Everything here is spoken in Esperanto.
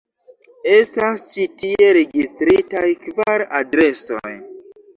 Estas ĉi tie registritaj kvar adresoj.